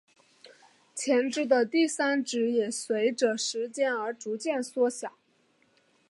前肢的第三指也随者时间而逐渐缩小。